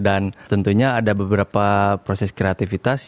dan tentunya ada beberapa proses kreativitas